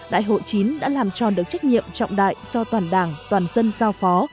đại hội chín đã làm tròn được trách nhiệm trọng đại do toàn đảng toàn dân giao phó